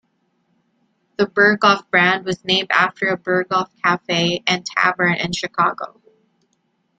The Berghoff brand was named after the Berghoff Cafe and Tavern in Chicago.